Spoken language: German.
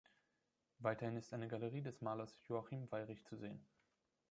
Weiterhin ist eine Galerie des Malers Joachim Weyrich zu sehen.